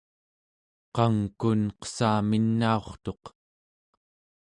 qangkun qessaminaurtuq